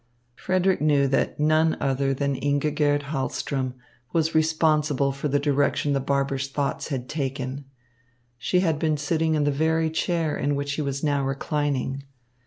Frederick knew that none other than Ingigerd Hahlström was responsible for the direction the barber's thoughts had taken. She had been sitting in the very chair in which he was now reclining.